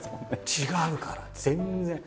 違うから全然。